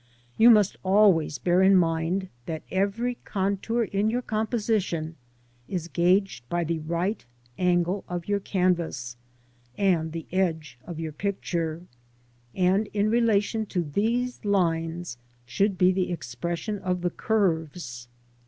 You must always bear in mind that every contour in your composition is gauged by the right angle of your canvas and the edge of your picture, and in the relation to these lines should be the expression of the curves.